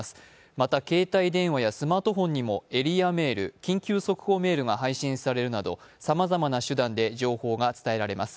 また携帯電話やスマートフォンにもエリアメール、緊急速報メールが配信されるなどさまざまな手段で情報が伝えられます。